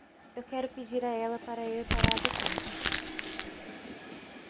Eu quero pedir a ela para ir para a água quente.